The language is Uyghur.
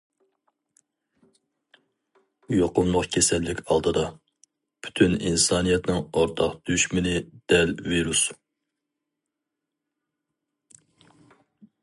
يۇقۇملۇق كېسەللىك ئالدىدا، پۈتۈن ئىنسانىيەتنىڭ ئورتاق دۈشمىنى دەل ۋىرۇس.